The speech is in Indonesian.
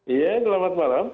iya selamat malam